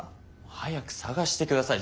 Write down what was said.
早く捜して下さい。